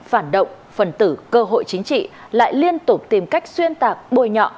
phản động phần tử cơ hội chính trị lại liên tục tìm cách xuyên tạc bôi nhọ